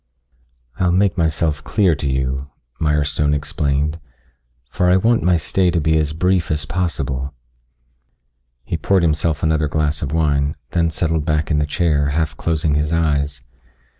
"I'll make myself clear to you," Mirestone explained, "For I want my stay to be as brief as possible." He poured himself another glass of wine, then settled back in the chair, half closing his eyes.